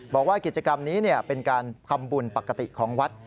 บอกว่ากิจกรรมนี้เป็นการทำบุญปกติของวัด